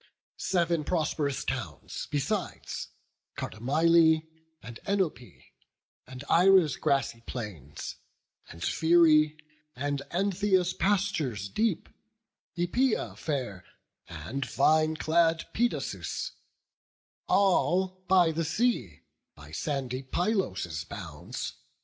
Sev'n prosp'rous towns besides; Cardamyle, And Enope, and Ira's grassy plains; And Pherae, and Antheia's pastures deep, Æpeia fair, and vine clad Pedasus; All by the sea, by sandy Pylos' bounds.